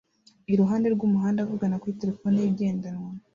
iruhande rwumuhanda avugana kuri terefone ye igendanwa